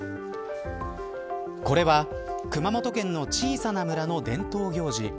これは熊本県の小さな村の伝統行事。